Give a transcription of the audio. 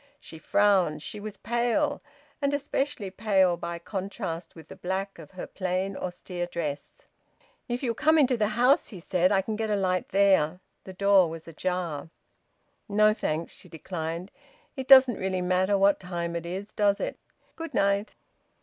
She frowned; she was pale, and especially pale by contrast with the black of her plain austere dress. "If you'll come into the house," he said, "I can get a light there." The door was ajar. "No thanks," she declined. "It doesn't really matter what time it is, does it? Good night!"